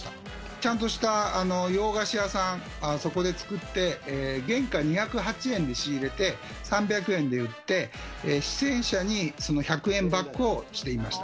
ちゃんとした洋菓子屋さん、そこで作って、原価２０８円で仕入れて、３００円で売って、出演者に１００円バックをしていました。